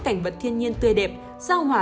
cảnh vật thiên nhiên tươi đẹp giao hỏa